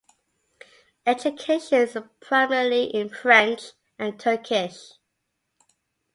Education is primarily in French and Turkish.